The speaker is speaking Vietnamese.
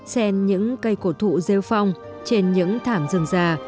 sen những cây cổ thụ rêu phong trên những thảm rừng già